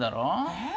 えっ？